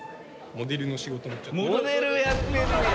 モデルやってんねや。